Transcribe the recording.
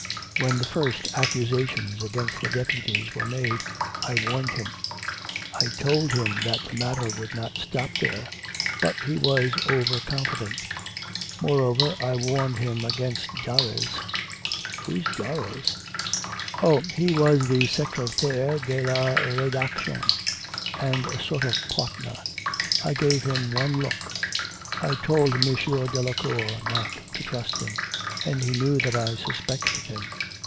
When the first accusations against the Deputies were made, I warned him. I told him that the matter would not stop there, but he was over confident. Moreover, I warned him against Darres.' 'Who's Darres?' 'Oh, he was the secretaire de la redaction and a sort of partner. But I never liked him. I gave him one look.... I told M. Delacour not to trust him. ... And he knew that I suspected him.